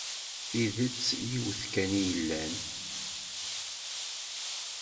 Tidett yiwet kan i yellan.